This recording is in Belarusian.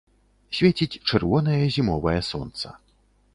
Свеціць чырвонае зімовае сонца.